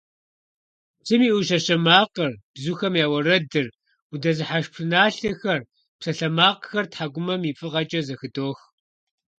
Псым и Ӏущащэ макъыр, бзухэм я уэрэдыр, удэзыхьэх пшыналъэхэр, псалъэмакъхэр тхьэкӀумэм и фӀыгъэкӀэ зэхыдох.